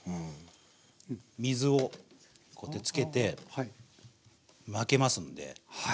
水をこうやってつけて巻けますんで。